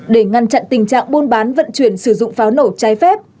để ngăn chặn tình trạng buôn bán vận chuyển sử dụng pháo nổ trái phép